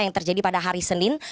yang terjadi pada hari senin